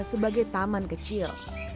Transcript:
sebagai taman kecil